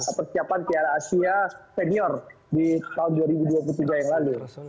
setiap perkembangan tiala asia senior di tahun dua ribu dua puluh tiga yang lalu